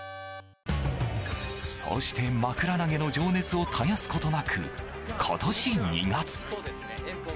そうして、まくら投げの情熱を絶やすことなく今年２月。